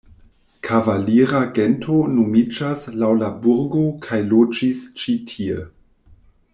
Kavalira gento nomiĝas laŭ la burgo kaj loĝis ĉi-tie.